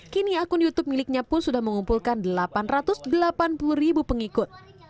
kini akun youtube miliknya pun sudah mengumpulkan delapan ratus delapan puluh ribu pengikut